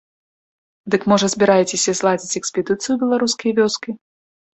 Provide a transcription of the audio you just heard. Дык можа збіраецеся зладзіць экспедыцыю ў беларускія вёскі?